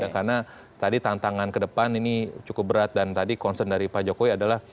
karena tadi tantangan ke depan ini cukup berat dan tadi concern dari pak jokowi adalah